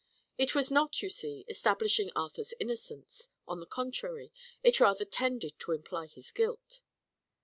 It was not, you see, establishing Arthur's innocence; on the contrary, it rather tended to imply his guilt.